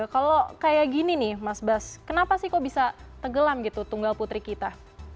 kalau kayak gini nih mas bas kenapa sih kok bisa tenggelam gitu tunggal putri kita